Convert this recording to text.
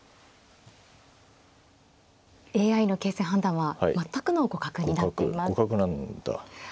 ＡＩの形勢判断は全くの互角になっています。